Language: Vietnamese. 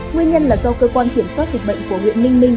nguyên nhân là do cơ quan kiểm soát dịch bệnh của huyện ninh minh